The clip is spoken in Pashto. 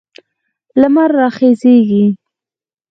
لمر راخیږي